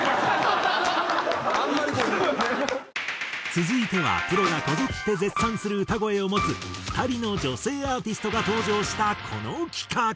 続いてはプロがこぞって絶賛する歌声を持つ２人の女性アーティストが登場したこの企画。